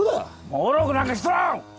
もうろくなんかしとらん！